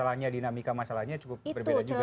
masalahnya dinamika masalahnya cukup berbeda juga